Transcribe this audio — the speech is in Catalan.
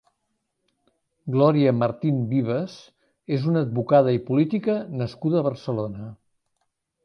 Gloria Martín Vivas és una advocada i política nascuda a Barcelona.